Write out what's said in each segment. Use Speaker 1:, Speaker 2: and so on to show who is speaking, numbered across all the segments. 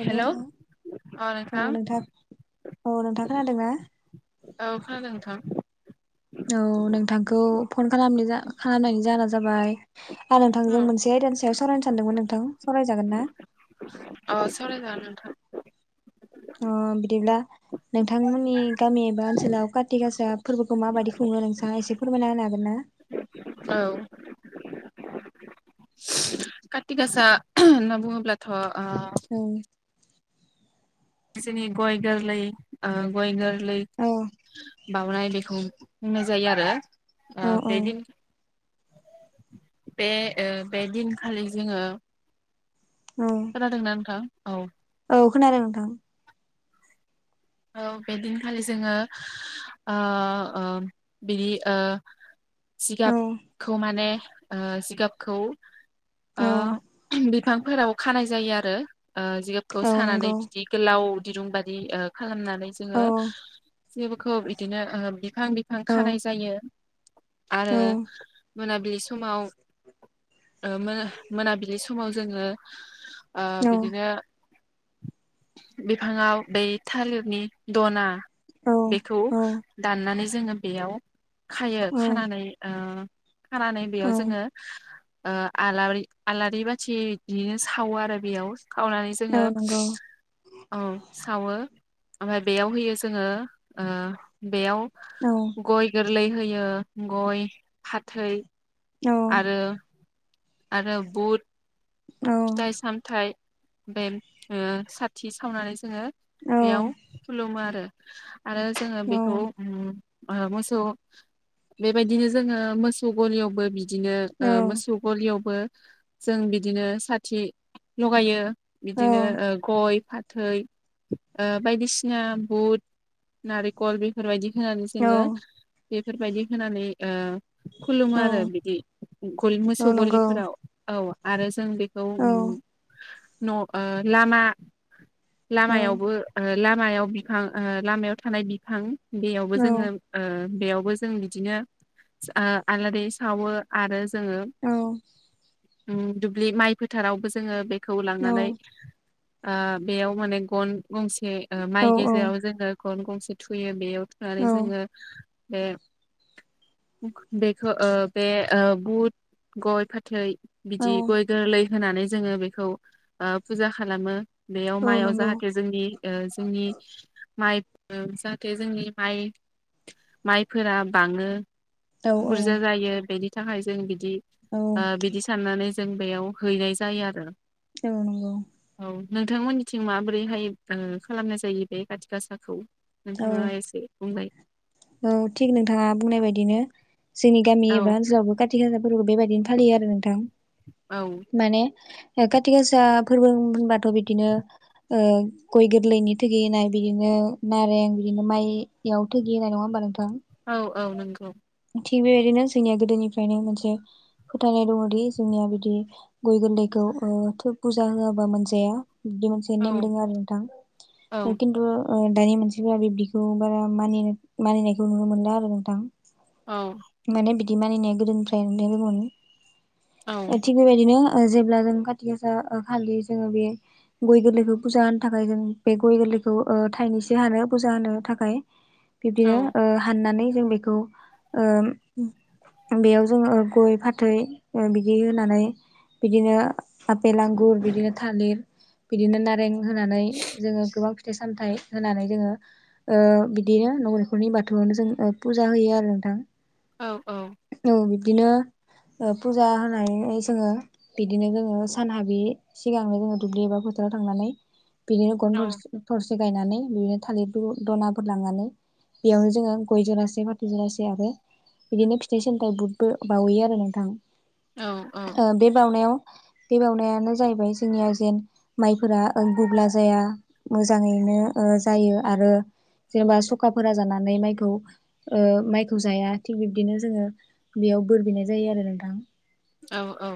Speaker 1: Hello नोंथां औ नोंथां औ नोंथां खोनादोंना?
Speaker 2: औ खोनादों नोंथां।
Speaker 1: औ नोंथांखौ फन खालाम खालामनायनि जाहोना जाबाय आं
Speaker 2: औ
Speaker 1: नोंथांजों मोनसे आयदानि सायाव सावरायनो सानदोंमोन नोंथां। सावरायजागोन ना?
Speaker 2: अ' सावरायजागोन नोंथां।
Speaker 1: अ' बिदिब्ला नोंथांमोननि गामि एबा ओनसोलाव कार्ति गासा फोरबोखौ माबायदि खुङो नोंथाङा एसे फोरमायना होनो हागोन ना? उम
Speaker 2: औ कार्थिगासा होनना बुंओब्लाथ'
Speaker 1: औ
Speaker 2: जोंनि गय गोरलै ओ गय गोर लै
Speaker 1: औ
Speaker 2: बाउनाय बेखौ बुंनाय जायो। ओ आरो
Speaker 1: औ औ
Speaker 2: बे दिन बे ओ बे दिनखालि जोङो
Speaker 1: औ
Speaker 2: खोनादोंना नोंथां? औ
Speaker 1: औ खोनादों नोंथां।
Speaker 2: औ बेदिनखालि जोङो ओ ओ बिदि ओ
Speaker 1: औ
Speaker 2: जिगाबखौ माने ओ जिगाबखौ
Speaker 1: औ
Speaker 2: ओ बिफांफोराव खानाय जायो आरो। ओ जिगाबखौ
Speaker 1: औ
Speaker 2: सानानै
Speaker 1: नंगौ
Speaker 2: बिदि गोलाव दिरुं बादि ओ खालामनानै
Speaker 1: औ
Speaker 2: जोङो जिगाबखौ इदिनो बिफां- बिफां
Speaker 1: औ
Speaker 2: खानाय जायो। आरो
Speaker 1: औ
Speaker 2: मोनाबिलि समाव ओ मोनाबिलि समाव जोङो ओ
Speaker 1: औ
Speaker 2: बिदिनो बिफाङाव दै थालिरनि दना
Speaker 1: औ
Speaker 2: बेखौ दाननानै जोङो बेयाव खायो
Speaker 1: औ
Speaker 2: खानानै ओ खानानै बेयाव
Speaker 1: औ
Speaker 2: जोङो ओ आलारि -आलारि बाथि बिदिनो सावो आरो बेयाव। सावनानै
Speaker 1: औ
Speaker 2: जोङो
Speaker 1: नंगौ
Speaker 2: औ सावो ओमफाय बेयाव होयो जोङो बेयाव
Speaker 1: औ
Speaker 2: गय गोरलै होयो गय फाथै
Speaker 1: औ
Speaker 2: आरो आरो बुट
Speaker 1: औ
Speaker 2: फिथाइ -सामथाइ बे ओ साथि सावनानै जोङो
Speaker 1: औ
Speaker 2: बेयाव खुलुमो आरो। आरो जोङो बेखौ मोसौ बेबायदिनो जोङो मोसौ गलियावबो बि दिनो
Speaker 1: औ
Speaker 2: ओ मोसौ गलियावबो जों बिदिनो साथि लगायो।
Speaker 1: औ
Speaker 2: बिदिनो ओ गय फा थै ओ बायदिसिना बुट नारेखल बेफोरबायदि होनानै जोङो बेफोरबायदि होनानै ओ खुलुमो
Speaker 1: औ
Speaker 2: आरो बिदि गलि
Speaker 1: औ
Speaker 2: मोसौ
Speaker 1: नंगौ
Speaker 2: गलिफोराव औ आरो जों बे खौ
Speaker 1: औ
Speaker 2: उम न'ओ लामा
Speaker 1: औ
Speaker 2: लामायावबो ओ लामायाव बिफां ओ लामायाव थानाय बिफां बेयावबो जोङो ओ बेयावबो जों बिदिनो ओ आलारि सावो आरो जोङो
Speaker 1: औ
Speaker 2: उम दुब्लि माइ फोथारावबो जोङो बेखौ लांनानै ओ बेयाव माने गन गंसे माइ गेजेराव जोङो गन गंसे थुयो बेयाव थुनानै जोङो बे बेखौ ओ बे ओ बुद गय फाथै बिदि गय गोरलै होनानै जोङो बेखौ ओ फुजा खालामो। बेयाव माइयाव जाहाथे जोंनि ओ जोंनि माइ ओ जाहाथे जोंनि माइ माइफोरा बाङो
Speaker 1: औ
Speaker 2: बुरजा जायो बेनि थाखाय जों बिदि
Speaker 1: औ
Speaker 2: ओ बिदि साननानै जों बेयाव हैनाय जायो आरो
Speaker 1: औ नोंगौ।
Speaker 2: औ नोंथांमोननिथिं माबोरैहाय ओ खालामनाय जायो बे खाथि गासाखौ। नोंथाङा एसे बुंलाय
Speaker 1: औ थिग नोंथाङा बुंनाय बायदिनो जोंनि गामि
Speaker 2: औ
Speaker 1: एबा ओनसोलावबो गा थिखा गासाफोरखौ बेबायदिनो फालियो आरो नोंथां
Speaker 2: औ
Speaker 1: माने खाति गासा फोरबो होनबाथ' बिदिनो ओ गय गोरलैनि थोगि होनाय बिदिनो नारें बिदिनो माइयाव थोगि होनाय नङा होमबा नोंथां
Speaker 2: औ औ नंगौ।
Speaker 1: थिग बेबायदिनो जोंनिया गोदोनिफ्रायनो मोनसे फोथायनाय दङदि जोंनिया बिदि गय गोरलैखौ खौ ओ थ' पुजा होआबा मोनजाया बिदि मोनसे
Speaker 2: औ
Speaker 1: नेम दोङो आरो
Speaker 2: औ
Speaker 1: नोंथां खिन्थु ओ दानि मानसिफोरा बिब्दिखौ बारा मानि मानिनायखौ नुनो मोनला आरो नोंथां
Speaker 2: औ
Speaker 1: माने बिदि मानिनाया गोदोनिफ्राय बे गोबावनि
Speaker 2: औ
Speaker 1: थिग बेबायदिनो ओ जेब्ला जों काति गासा खालि जोङो बे गय गोरलैखौ फुजा होनो थाखाय जों बे गय गो लै खौ ओ थाइनैसो हानो फुजु होनो थाखाय बिब्दिनो
Speaker 2: औ
Speaker 1: ओ हाननानै जों बेखौ ओ बेयाव जोङो गय फाथै ओ बिदि होनानै बिदिनो आपेल आंगुर बिदिनो थालिर बिदिनो नारें होनानै जोङो गोबां फिथाइ सामथाइ होनानै जोङो ओ बिदिनो न' बेंखननि बाथौआवनो जों ओ फुजा होयो आरो नोंथां।
Speaker 2: औ औ।
Speaker 1: औ बिब्दिनो ओ फुजा होनानै जोङो बिदिनो जोङो सानहाबि सिगांनो जोङो दुब्लि एबा फो थाराव थांनानै बिदिनो गन
Speaker 2: औ
Speaker 1: थर थर गायनानै बिदिनो थालिर द दनाफोर लांनानै बेयावनो जोङो गय जरासे फाथै जरासे आरो बिदिनो फिथाइ सामथाइ बुथबो बावहैयो आरो नोंथां
Speaker 2: औ
Speaker 1: ओ बे बावनायाव बे बावनायानो जाहैबाय जोंनिया जेन माइफोरा ओ गुगला जाया मोजाङैनो ओ जायो आरो जेनेबा सखाफोरा जानानै माइखौ ओ माइखौ जाया थिग बिब्दिनो जोङो बेयाव बोर बिनाय जायो आरो नोंथां।
Speaker 2: औ औ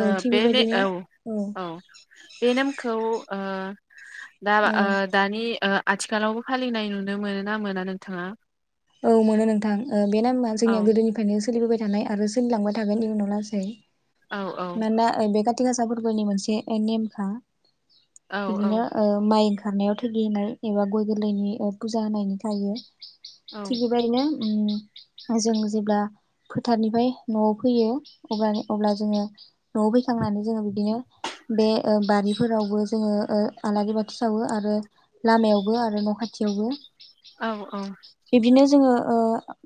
Speaker 2: ओ
Speaker 1: थिग
Speaker 2: बे- बे
Speaker 1: बेबायदिनो
Speaker 2: औ औ बे नेमखौ ओ दा
Speaker 1: औ
Speaker 2: ओ दानि ओ आथिखालावबो फालिनाय नुनो मोनो ना मोना नोंथाङा?
Speaker 1: औ मोनो नोंथां। ओ बे नेमा
Speaker 2: औ
Speaker 1: जोंनिया गोदोनिफ्रायनो सोलिबोबाय थानाय आरो सोलिलांबाय थागोन इयुनाव लासै।
Speaker 2: औ
Speaker 1: मानोना ओ बे कातिगासा फोरबोनि मोनसे नेमखा।
Speaker 2: औ
Speaker 1: बिदिनो ओ माइ ओंखारनायाव थोगि होनाय एबा गय गोरलैनि ओ फुजा होनायनि थायो।
Speaker 2: औ
Speaker 1: थिग बेबायदिनो उम जों जेब्ला फोथारनिफ्राय न'आव फैयो अबा अब्ला जोङो न'आव फैखांनानै जोङो बिदिनो बे ओ बारिफोरावबो जोङो ओ आलारि बाथि सावो आरो लामायावबो आरो न' खाथियावबो।
Speaker 2: औ
Speaker 1: बिब्दिनो जोङो ओ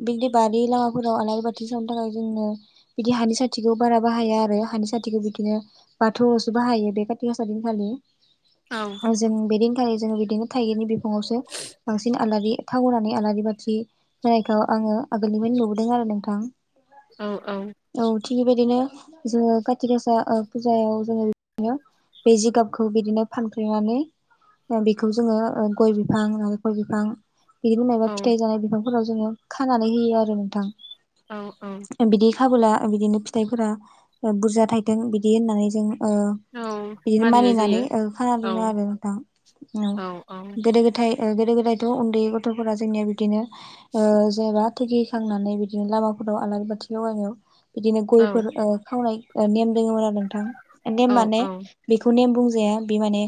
Speaker 1: बिब्दि बारि लामाफोराव आलारि बाथि सावनो थाखाय जोंनो बिदि हानि सा थिखौ बारा बाहाया आरो हानि साथिखौ बिदिनो बाथौआवसो बाहायो बे कातिगासा दिन खालि। जों बे दिनखालि जों बिदिनो थाइगिरनि बिखङावसो बांसिन आलारि थाव होनानै आलारि बाथि होनायखौ आङो आगोलनिफ्रायनो नुबोदों आरो नोंथां। औ थिग बेबायदिनो जोङो काति गासा ओ फुजायाव जोङो बिब्दिनो बे जिगाबखौ बिदिनो फानफ्रेनानै बेखौ जोङो ओ गय बिफां नालेंखर बिफां बिदिनो मायबा
Speaker 2: औ
Speaker 1: फिथाइ जानाय बिफांफोराव जोङो खानानै होयो आरो नोंथां।
Speaker 2: औ औ।
Speaker 1: बिदि खाबोला बिदिनो फिथाइफोरा ओ बुरजा थाइथों बिदि होननानै जों ओ
Speaker 2: औ
Speaker 1: बिदिनो
Speaker 2: मानिनाय
Speaker 1: मानिनानै
Speaker 2: जायो
Speaker 1: ओ खाना
Speaker 2: औ
Speaker 1: दोनो आरो नोंथां। उम
Speaker 2: औ औ
Speaker 1: गोदो- गोदाय ओ गोदो गोदायथ' उन्दै गथ'फोरा जोंनिया बिदिनो ओ जेनेबा थोगि होखांनानै बिदिनो लामाफोराव आलारि बाथि लगायनायाव बिदिनो
Speaker 2: औ
Speaker 1: गयफोर ओ खावनाय ओ नेम दोङोमोन आरो नोंथां नेम
Speaker 2: औ
Speaker 1: माने
Speaker 2: औ
Speaker 1: बेखौ नेम बुंजा जाया बे माने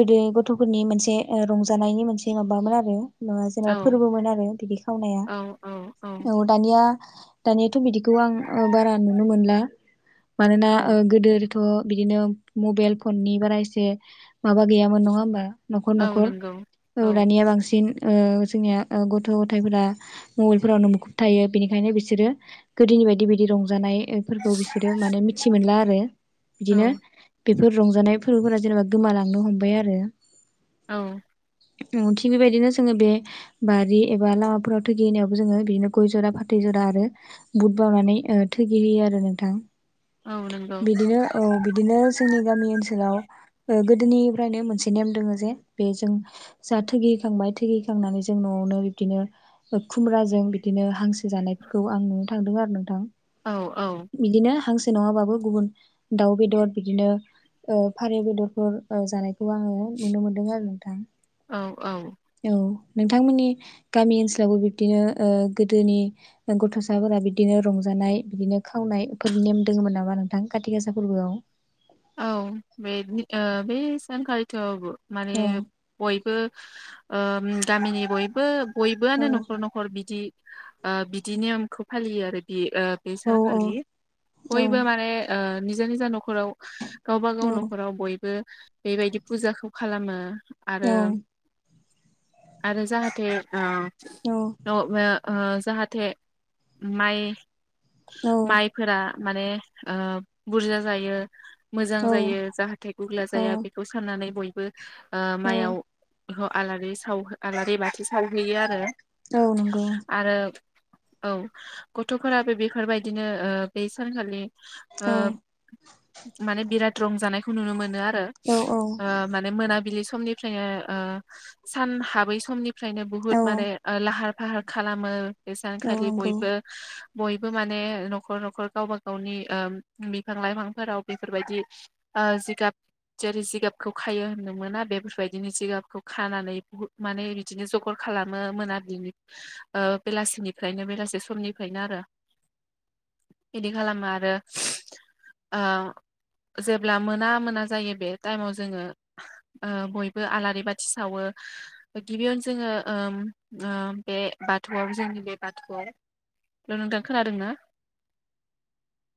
Speaker 1: गोदो गथ'फोरनि मोनसे रंजानायनि मोनसे माबामोन आरो माबा जेनेबा
Speaker 2: औ
Speaker 1: फोरबोमोन आरो। बिदि खावनाया औ दानिया दा दानियाथ' बिदिखौ आं बारा नुनो मोनला मानोना
Speaker 2: औ
Speaker 1: गोदो थ' बिदिनो मबाइल फननि बारा एसे माबा गैयामोन नङा होमबा। न'खर
Speaker 2: औ
Speaker 1: न'खर
Speaker 2: नंगौ
Speaker 1: औ दानिया बांसिन जोंनिया गथ' गथायाइफोरा मबाइलफोरावनो मुखुब थायो बिनिखायनो बिसोरो गोदोनि बायदि बिदि रंजानाय फोरखौ बिसोरो माने मिथि मोनला आरो।
Speaker 2: औ
Speaker 1: बिदिनो बेफोर रंजानाय फोरबोफोरा जेनेबा गोमालांनो हमबाय आरो।
Speaker 2: औ
Speaker 1: थिग बेबायदिनो जोङो बे बारि एबा लामाफोराव थैगिहैनायावबो जोङो बिदिनो गय जरा फाथै जरा आरो बुट बावनानै थैगिहोयो आरो नोंथा।
Speaker 2: औ नंगौ
Speaker 1: बिदिनो औ बिदिनो जोंनि गामि ओनसोलाव ओ गोदोनिफ्रायनो मोनसे नेम दोङो जे बे जों जा थगिहोखांबाय थगिहोखांनानै जों न'आवनो बिदिनो खुम्राजों बिदिनो हांसो जानायफोरखौ आं नुनो थांदों आरो नोंथां।
Speaker 2: औ औ।
Speaker 1: बिदिनो हांसो नङाबाबो गुबुन दाउ बेदर बिदिनो फारेउ बेदरफोर जानाय खौ आङो नुनो मोनदों आरो नोंथां।
Speaker 2: औ औ
Speaker 1: औ नोंथांमोननि गामि ओनसोलावबो बिबदिनो गोदोनि गथ'साफोरा बिदिनो रंजानाय बिदिनो खावनाय फोर नेम दोङमोन नामा नोंथां खाथि गासा फोरबोआव?
Speaker 2: औ बे- बे सानखालिथआवबो माने
Speaker 1: औ
Speaker 2: बयबो गामिनि बयबो
Speaker 1: औ
Speaker 2: बयबोआनो न'खर न'खर बिदि बिदि नेयमखौ फालियो आरो बे ओ बे
Speaker 1: औ औ
Speaker 2: सानखालि
Speaker 1: औ
Speaker 2: बयबो माने ओ निजा निजा न'खराव
Speaker 1: औ
Speaker 2: गावबाागाव न'खराव बयबो बेबायदि फुजाखौ खालामो
Speaker 1: औ
Speaker 2: आरो आरो जाहाथे
Speaker 1: औ
Speaker 2: ओ जाहाथे माइ माइफोरा माने ओ बुरजा जायो। मोजां
Speaker 1: औ
Speaker 2: जायो जाहाथे गुब्ला जाया बेखौ साननानै बयबो ओ
Speaker 1: औ
Speaker 2: मायाव आलारि साव आलारि बाथि सावहैयो आरो
Speaker 1: औ नंगौ।
Speaker 2: आरो औ गथ'फोराबो बेफोरबायदिनो ओ बे सानखालि ओ माने बिराद रंजानायखौ नुनो मोनो। मान ओ मोनाबिलि समनिफ्रायनो सान हाबै समनि फ्रायनो बुहुत माने लाहार फाहार खालामो बे सानखालि
Speaker 1: नंगौ
Speaker 2: बयबो बयबो माने न'खर न'खर गावबा गावनि बिफां लाइफां फोराव बेफोरबायदि ओ जिगाब जेरै जिगाबखौ खायो होननो मोना बेफोरबायदिनो जिगाबखौ खानानै बुहुद माने बिदिनो जगर खालाम खालामो मोनाबिलिनि ओ बेलासिनिफ्रायनो बेलासि समनिफ्रायनो आरो
Speaker 1: ज
Speaker 2: बिदि खालामो आरो जेब्ला मोना मोना जायो बे टाइमाव जोङो बयबो आलारि बाथि सावो। गिबियावनो जोङो ओ बे बाथौआव जोंनि बे बाथौआव र'नोंथां खोनादों ना
Speaker 1: [unintelligible]